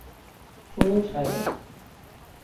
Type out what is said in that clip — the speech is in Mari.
Шуэш але.